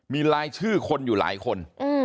มีรายชื่อคนอยู่หลายคน